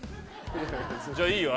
じゃあいいよ。